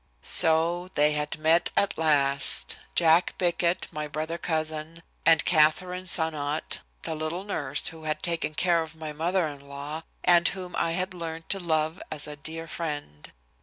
'" So they had met at last, Jack Bickett, my brother cousin, and Katherine Sonnot, the little nurse who had taken care of my mother in law, and whom I had learned to love as a dear friend.